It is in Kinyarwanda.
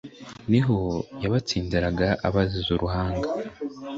niho yabatsindira abaziza uruhanga